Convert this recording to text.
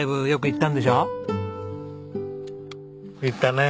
行ったね。